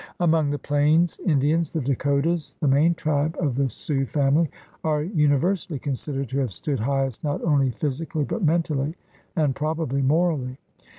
Among the plains Indians, the Dakotas, the main tribe of the Sioux family, are universally considered to have stood highest not only physi cally but mentally, and probably morally.